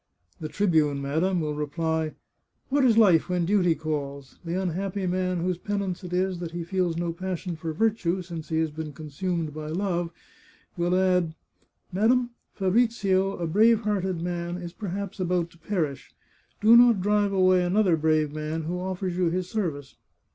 " The tribune, madam, will reply, ' What is life when duty calls ?' The unhappy man whose penance it is that he feels no passion for virtue since he has been consumed by love, will add :* Madam, Fabrizio, a brave hearted man, is perhaps about to perish. Do not drive away another brave man who offers you his service.